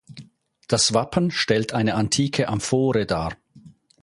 Das Wappen stellt eine antike Amphore dar.